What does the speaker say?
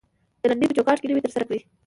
د لنډۍ په چوکات کې نوى تر سره کړى.